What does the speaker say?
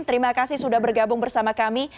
terima kasih sudah bergabung bersama kami